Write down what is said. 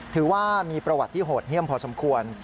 ถือว่ามีประวัติที่โหดเยี่ยมพอสมควร